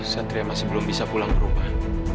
satria masih belum bisa pulang ke rumah